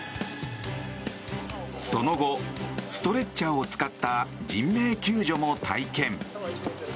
その後、ストレッチャーを使った人命救助も体験。